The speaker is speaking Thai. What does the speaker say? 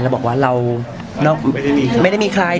เราบอกว่าเราไม่ได้มีใคร